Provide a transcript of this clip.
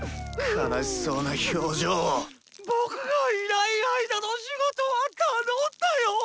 悲しそうな表情を僕がいない間の仕事は頼んだよぉ。